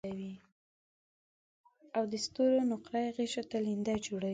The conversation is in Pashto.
او د ستورو نقره يي غشو ته لینده جوړوي